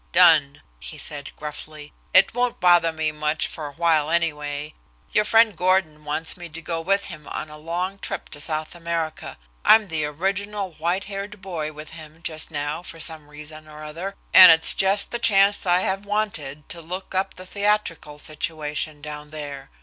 "Done," he said gruffly. "It won't bother me much for awhile anyway. Your friend Gordon, wants me to go with him on a long trip to South America. I'm the original white haired boy with him just now for some reason or other, and it's just the chance I have wanted to look up the theatrical situation down there.